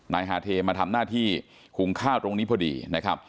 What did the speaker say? ฮาเทมาทำหน้าที่หุงข้าวตรงนี้พอดีนะครับ